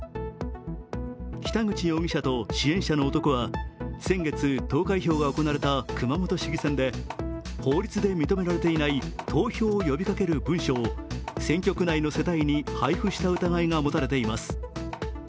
北口容疑者と支援者の男は先月、投開票が行われた熊本市議選で法律で認められていない投票を呼びかける文書を、選挙区内の世帯に配布した疑いが持たれています。